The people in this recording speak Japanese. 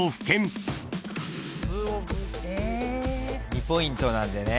２ポイントなんでね